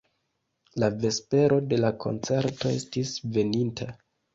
La vespero de la koncerto estis veninta.